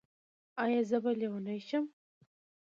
ایا زه به لیونۍ شم؟